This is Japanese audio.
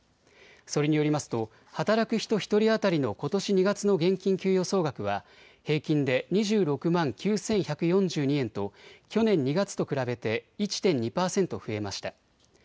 それによりますと働く人１人当たりのことし２月の現金給与総額は平均で２６万９１４２円と去年２月と比べて１．２％増えました。